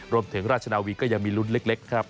รวมถึงราชนาวีก็ยังมีลุ้นเล็กครับ